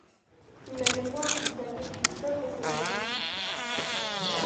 La lengua oficial de Egipto es el árabe-egipcio.